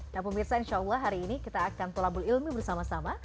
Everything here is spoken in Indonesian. nah pemirsa insya allah hari ini kita akan tolabul ilmi bersama sama